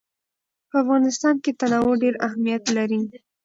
په افغانستان کې تنوع ډېر اهمیت لري.